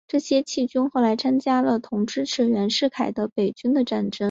这些黔军后来参加了同支持袁世凯的北军的战争。